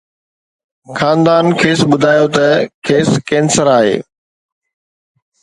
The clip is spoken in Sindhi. خاندان کيس ٻڌايو ته کيس ڪينسر آهي